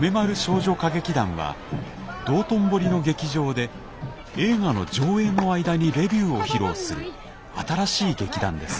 梅丸少女歌劇団は道頓堀の劇場で映画の上映の間にレビューを披露する新しい劇団です。